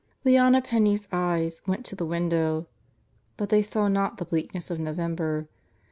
... Leona Penney's eyes went to the window, but they saw not the bleakness of November.